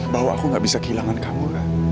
bahwa aku gak bisa kehilangan kamu lah